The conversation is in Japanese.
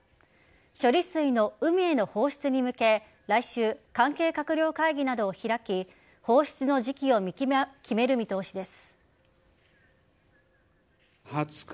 処理水の海への放出に向け来週、関係閣僚会議などを開き放出の時期を決める見通しです。